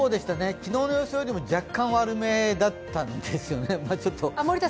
昨日の予想よりも若干悪めだったんですね。